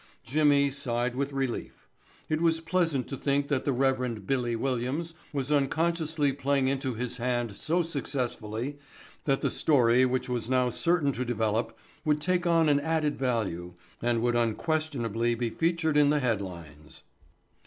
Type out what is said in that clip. Jimmy sighed with relief. It was pleasant to think that the Rev. "Billy" Williams was unconsciously playing into his hand so successfully that the story which was now certain to develop would take on an added value and would unquestionably be featured in the headlines.